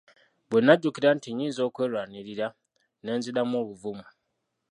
Bwe najjukira nti nnyinza okwerwanirira, ne nziramu obuvumu.